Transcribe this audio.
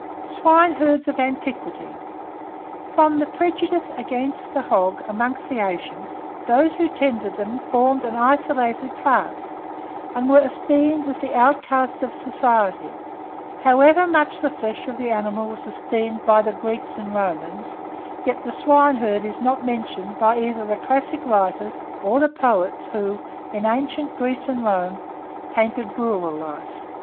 SWINEHERDS OF ANTIQUITY. From the prejudice against the hog among the ancients, those who tended them formed an isolated class, and were esteemed as the outcasts of society. However much the flesh of the animal was esteemed by the Greeks and Romans, yet the swineherd is not mentioned by either the classic writers or the poets who, in ancient Greece and Rome, painted rural life.